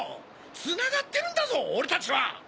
つながってるんだぞ俺たちは！